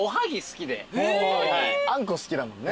あんこ好きだもんね。